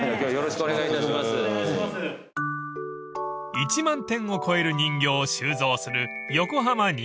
［１万点を超える人形を収蔵する］